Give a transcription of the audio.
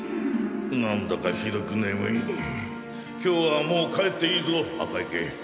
何だかひどく眠い今日はもう帰っていいぞ赤池。